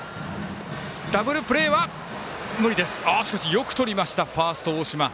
よくとりました、ファースト大島。